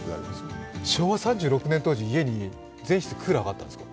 えっ、昭和３６年当時、家に全室クーラーがあったんですか？